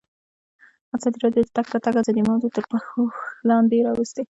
ازادي راډیو د د تګ راتګ ازادي موضوع تر پوښښ لاندې راوستې.